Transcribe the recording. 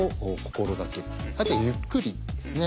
あとはゆっくりですね。